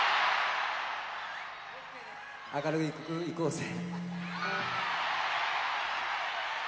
明るい曲いこうぜ。